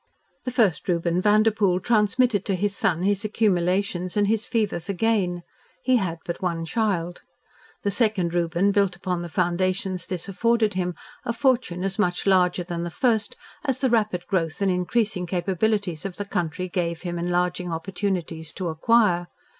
The first Reuben Vanderpoel transmitted to his son his accumulations and his fever for gain. He had but one child. The second Reuben built upon the foundations this afforded him, a fortune as much larger than the first as the rapid growth and increasing capabilities of the country gave him enlarging opportunities to acquire.